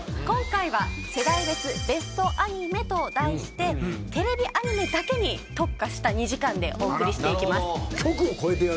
今回は世代別ベストアニメと題してテレビアニメだけに特化した２時間でお送りしていきます。